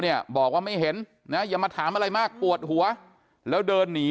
เนี่ยบอกว่าไม่เห็นนะอย่ามาถามอะไรมากปวดหัวแล้วเดินหนี